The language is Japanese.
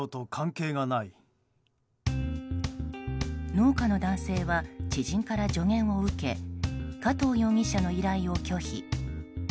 農家の男性は知人から助言を受け加藤容疑者の依頼を拒否。